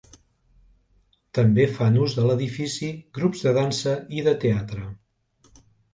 També fan ús de l'edifici grups de dansa i de teatre.